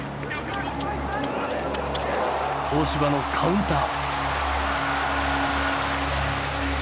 東芝のカウンター。